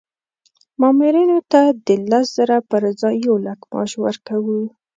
مامورینو ته د لس زره پر ځای یو لک معاش ورکوو.